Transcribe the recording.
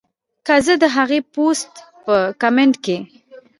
کۀ زۀ د هغې پوسټ پۀ کمنټ کښې